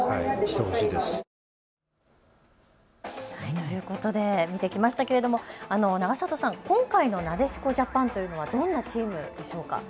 ということで見てきましたが永里さん、今回のなでしこジャパンというのはどんなチームでしょうか。